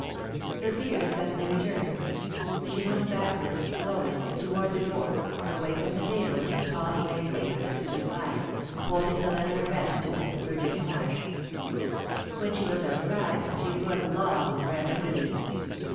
Her fear suddenly returned. She went backward, slowly, toward the door, away from the table and the tall grey figure that stood by it, holding the letter addressed to Mrs. Virginia Marsh. When she was outside, she drew a long breath of relief.